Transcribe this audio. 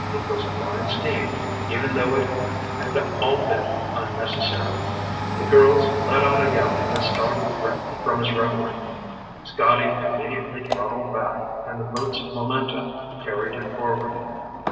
It was a fine scheme, even though it had all been unnecessary. The girls let out a yell that startled Rick from his reverie. Scotty immediately throttled back, and the boat's momentum carried it forward.